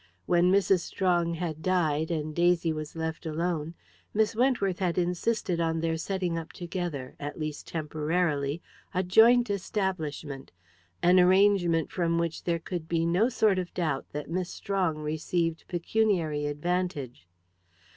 When Mrs. Strong had died, and Daisy was left alone, Miss Wentworth had insisted on their setting up together, at least temporarily, a joint establishment, an arrangement from which there could be no sort of doubt that Miss Strong received pecuniary advantage.